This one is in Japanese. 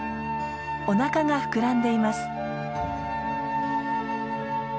おなかが膨らんでいます。